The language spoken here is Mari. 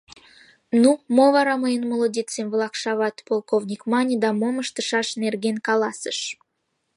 — Ну, мо вара, мыйын молодецем-влак шават, — полковник мане да мом ыштышаш нерген каласыш.